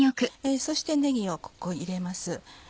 そしてねぎをここ入れます。